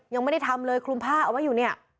ยังไม่ได้ทำเลยคลุมผ้าเอาไว้อยู่เนี่ย